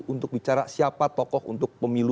untuk bicara siapa tokoh untuk pemilu